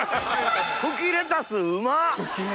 茎レタスうまっ！